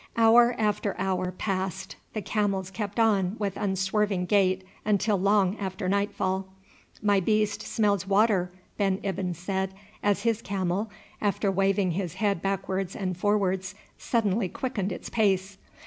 Hour after hour passed. The camels kept on with unswerving gait until long after nightfall. "My beast smells water," Ben Ibyn said as his camel, after waving his head backwards and forwards, suddenly quickened its pace.